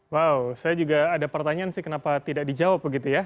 wow saya juga ada pertanyaan sih kenapa tidak dijawab begitu ya